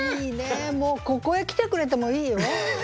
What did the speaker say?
もうここへ来てくれてもいいよ。